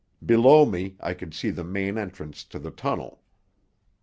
Below me I could see the main entrance to the tunnel.